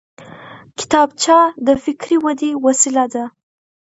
کتابچه د فکري ودې وسیله ده